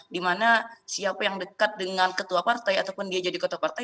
dimana siapa yang dekat dengan ketua partai ataupun dia jadi ketua partai